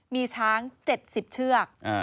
มีช้าง๗๐เชือก